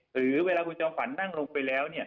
หรือเวลาคุณจอมฝันนั่งลงไปแล้ว